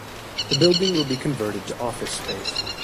The building will be converted to office space.